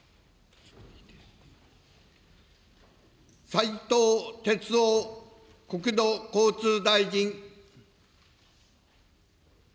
斉藤鉄夫国土交通大臣。